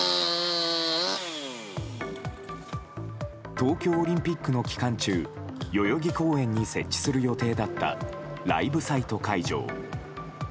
東京オリンピックの期間中代々木公園に設置する予定だったライブサイト会場。